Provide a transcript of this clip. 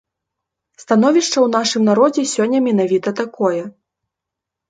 Становішча ў нашым народзе сёння менавіта такое.